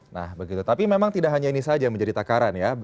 nah begitu tapi memang tidak hanya ini saja yang menjadi takaran ya